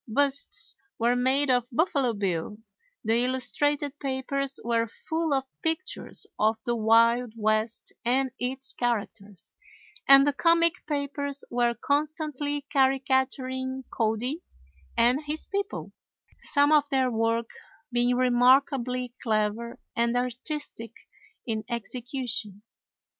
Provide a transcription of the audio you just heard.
Busts were made of Buffalo Bill, the illustrated papers were full of pictures of the Wild West and its characters, and the comic papers were constantly caricaturing Cody and his people, some of their work being remarkably clever and artistic in execution.